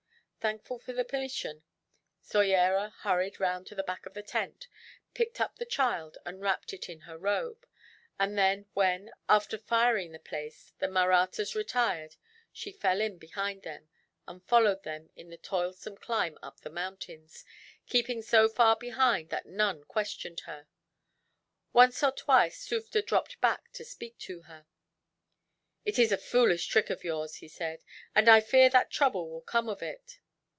Thankful for the permission, Soyera hurried round to the back of the tent, picked up the child and wrapped it in her robe; and then when, after firing the place, the Mahrattas retired, she fell in behind them, and followed them in the toilsome climb up the mountains, keeping so far behind that none questioned her. Once or twice Sufder dropped back to speak to her. "It is a foolish trick of yours," he said, "and I fear that trouble will come of it."